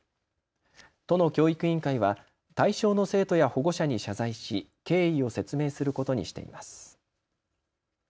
都の教育委員会は対象の生徒や保護者に謝罪し経緯を説明することにしています。